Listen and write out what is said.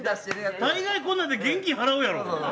大概こんなんで現金払うやろ。